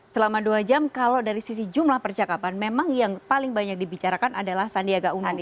selama dua jam kalau dari sisi jumlah percakapan memang yang paling banyak dibicarakan adalah sandiaga uno